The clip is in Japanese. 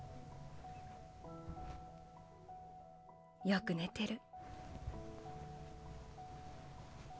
よくねてる。